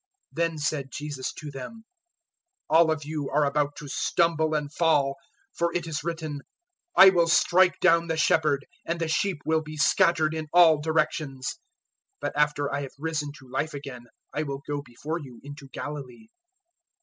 014:027 Then said Jesus to them, "All of you are about to stumble and fall, for it is written, 'I will strike down the Shepherd, and the sheep will be scattered in all directions.' 014:028 But after I have risen to life again I will go before you into Galilee."